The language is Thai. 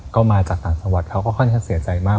ก็มาจากต่างจังหวัดเขาก็ค่อนข้างเสียใจมาก